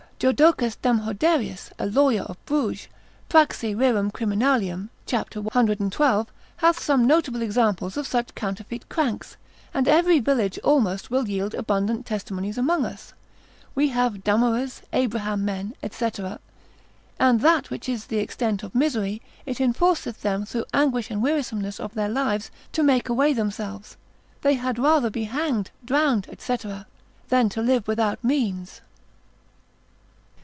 Jodocus Damhoderius, a lawyer of Bruges, praxi rerum criminal. c. 112. hath some notable examples of such counterfeit cranks, and every village almost will yield abundant testimonies amongst us; we have dummerers, Abraham men, &c. And that which is the extent of misery, it enforceth them through anguish and wearisomeness of their lives, to make away themselves; they had rather be hanged, drowned, &c., than to live without means.